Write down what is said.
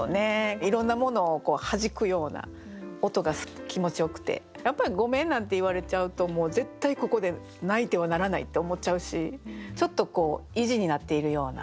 いろんなものをはじくような音が気持ちよくてやっぱり「ごめん」なんて言われちゃうともう絶対ここで泣いてはならないって思っちゃうしちょっと意地になっているような。